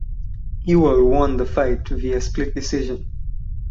Ewell won the fight via split decision.